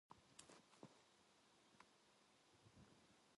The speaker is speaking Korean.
한참 후에 민수는 정신을 차려 돌아보니 아무도 없다.